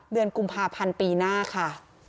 เดือนกุมภาพันธ์ปีหน้าค่ะ